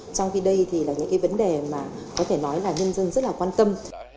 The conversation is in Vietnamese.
trong khi đây là những vấn đề mà có thể nói là nhân dân rất là quan tâm